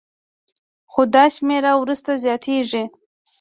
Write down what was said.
خو دا شمېر وروسته زیاتېږي